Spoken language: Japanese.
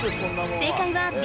正解はＢ！